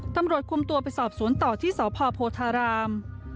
ตำรวจคุมตัวไปสอบสวนต่อที่สพโพธาราม